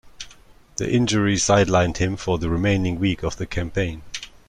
The injury sidelined him for the remaining week of the campaign.